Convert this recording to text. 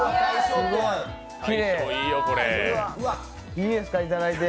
いいですか、いただいて。